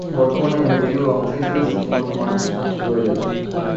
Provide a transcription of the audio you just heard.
বর্তমানে এই মূর্তিগুলির অংশ হিসেবে শুধুমাত্র মাটির ছাঁচ রয়ে গেছে।